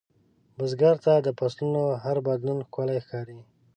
بزګر ته د فصلونـو هر بدلون ښکلی ښکاري